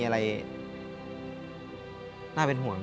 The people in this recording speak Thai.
เลยน่าเป็นห่วง